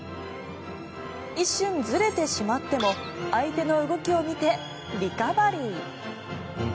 一瞬、ずれてしまっても相手の動きを見てリカバリー。